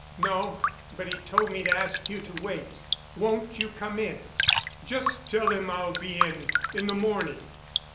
"No, but he told me to ask you to wait. Won't you come in?" "Just tell him I'll be in in the morning."